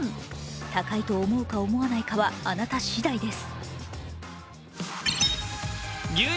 高いと思うか思わないかは、あなたしだいです。